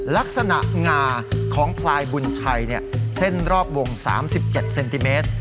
ลักษณะงาของพลายบุญชัยเส้นรอบวง๓๗เซนติเมตร